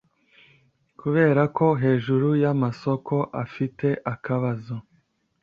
Kuberako hejuru yamasoko afite ibibazo